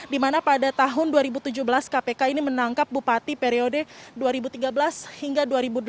di mana pada tahun dua ribu tujuh belas kpk ini menangkap bupati periode dua ribu tiga belas hingga dua ribu delapan belas